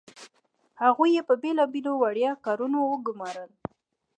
هغوی یې په بیلابیلو وړيا کارونو وګمارل.